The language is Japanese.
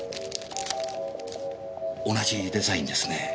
同じデザインですねぇ。